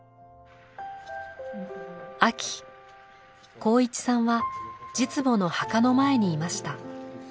秋航一さんは実母の墓の前にいました。